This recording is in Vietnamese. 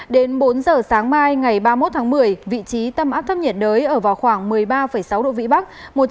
đến bốn giờ sáng mai ngày ba mươi một tháng một mươi vị trí tâm áp thấp nhiệt đới ở vào khoảng một mươi ba sáu độ vĩ bắc